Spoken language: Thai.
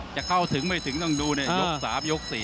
จะเข้าถึงไม่ถึงต้องดูในยก๓ยก๔